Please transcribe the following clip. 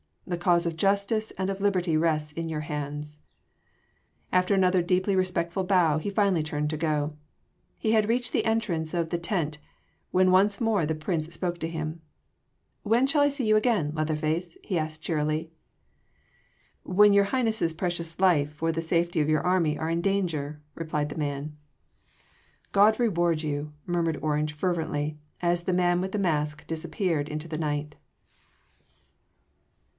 The cause of justice and of liberty rests in your hands." After another deeply respectful bow he finally turned to go. He had reached the entrance of the tent when once more the Prince spoke to him. "When shall I see you again Leatherface?" he asked cheerily. "When your Highness’ precious life or the safety of your army are in danger," replied the man. "God reward you!" murmured Orange fervently as the man with the mask disappeared into the night.